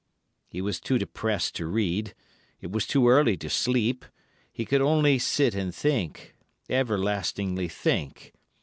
He was too depressed to read, it was too early to sleep, he could only sit and think, everlastingly think.